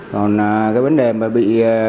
còn cái vấn đề mà bị